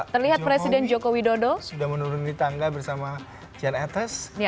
terlihat presiden joko widodo sudah menurun di tangga bersama jan etes